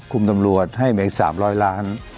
คุมตำรวจให้เหมือน๓๐๐ล้าน